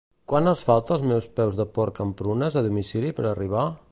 Quant els falta als meus peus de porc amb prunes a domicili per arribar?